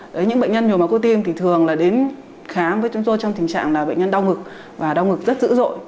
đấy những bệnh nhân nhồi máu cơ tim thì thường là đến khám với chúng tôi trong tình trạng là bệnh nhân đau ngực và đau ngực rất dữ dội